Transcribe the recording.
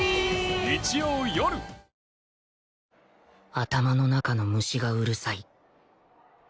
頭の中の虫がうるさい